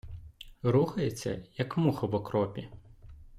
Рухається, як муха в окропі.